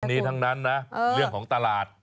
นี้ทั้งนั้นนะเรื่องของตลาด